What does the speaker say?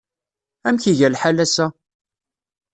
Amek iga lḥal ass-a?